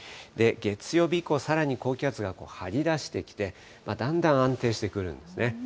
月曜日以降、さらに高気圧が張り出してきて、だんだん安定してくるんですね。